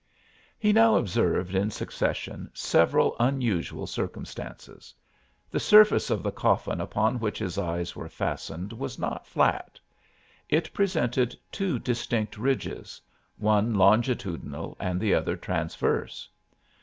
He now observed in succession several unusual circumstances. The surface of the coffin upon which his eyes were fastened was not flat; it presented two distinct ridges, one longitudinal and the other transverse.